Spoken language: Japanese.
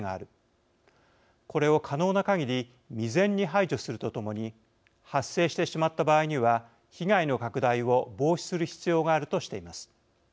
これを可能なかぎり未然に排除するとともに発生してしまった場合には被害の拡大を防止する必要がある」としています。